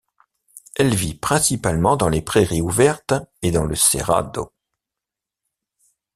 Elle vit principalement dans les prairies ouvertes et dans le cerrado.